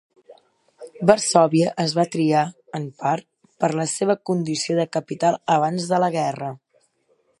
Varsòvia es va triar, en part, per la seva condició de capital abans de la guerra.